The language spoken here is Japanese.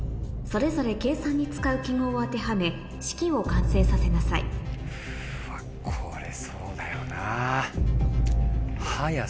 それぞれ計算に使う記号を当てはめ式を完成させなさいうわ